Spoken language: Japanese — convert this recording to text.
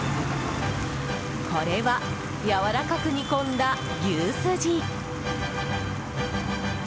これはやわらかく煮込んだ牛スジ。